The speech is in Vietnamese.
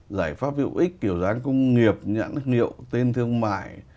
giải pháp hữu ích kiểu dáng công nghiệp nhãn thức nghiệp tên thương mại